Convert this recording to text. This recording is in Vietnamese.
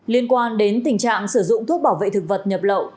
liên quan đến tình trạng sử dụng thuốc bảo vệ thực vật nhập lậu